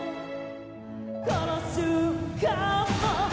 「この瞬間を」